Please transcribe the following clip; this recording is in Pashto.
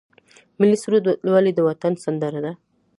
ملي سرود ولې د وطن سندره ده؟